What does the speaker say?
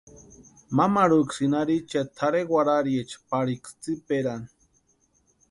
Mamaruksïni arhichiati tʼarhe warhariecha pariksï tsiperani.